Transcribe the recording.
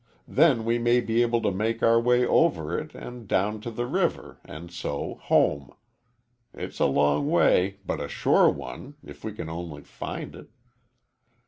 Then we may be able to make our way over it and down to the river and so home. It's a long way, but a sure one, if we can only find it."